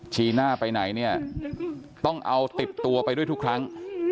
ชี้หน้าไปไหนเนี่ยต้องเอาติดตัวไปด้วยทุกครั้ง